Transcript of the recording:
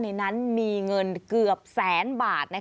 ในนั้นมีเงินเกือบแสนบาท